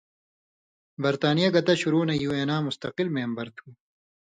برطانیہ گتہ شروع نہ یُو اېناں مستقل مېمبر تُھو۔